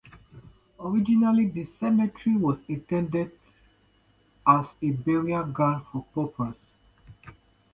Originally the cemetery was intended as a burial ground for paupers.